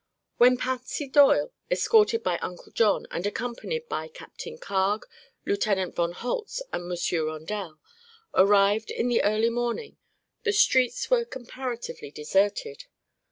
When Patsy Doyle, escorted by Uncle John and accompanied by Captain Carg, Lieutenant von Holtz and Monsieur Rondel, arrived in the early morning, the streets were comparatively deserted.